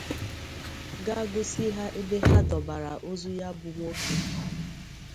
ga gosi ha ebe ha dọbara ozu ya bụ nwoke.